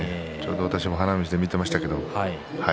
私も花道で見ていました。